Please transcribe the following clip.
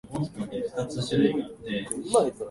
アラブ首長国連邦の首都はアブダビである